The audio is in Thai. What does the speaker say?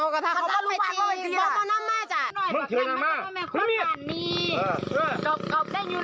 กับหล้ามมาเลย